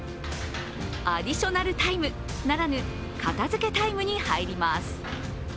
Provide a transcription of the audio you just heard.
アディショナルタイムならぬ片付けタイムに入ります。